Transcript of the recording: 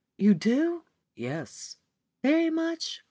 "You do?" "Yes." "Very much?"